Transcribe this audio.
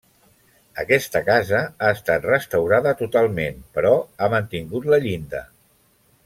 Aquesta casa ha estat restaurada totalment, però ha mantingut la llinda.